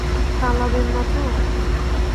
পালাবেন না তো?